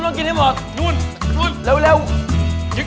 แต่ร้านนี้ขอพักนับนึงไม่ไหวจริง